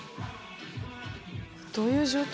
どういう状況？